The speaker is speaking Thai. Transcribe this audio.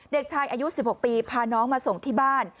เด็กชายอายุ๑๖ปีพาน้องมาส่งที่บ้าน